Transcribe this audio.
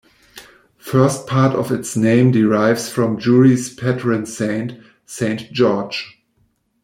First part of its name derives from Yury's patron saint, Saint George.